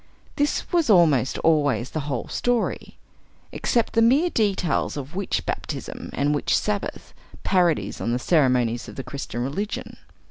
This was almost always the whole story, except the mere details of the witch baptism and witch sabbath, parodies on the ceremonies of the Christian religion.